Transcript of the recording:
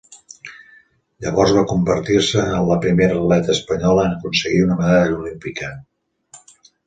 Llavors va convertir-se en la primera atleta espanyola en aconseguir una medalla olímpica.